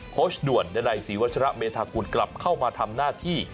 โค้ชด่วนในสีวัชระเมธากูลกลับเข้ามาทำหน้าที่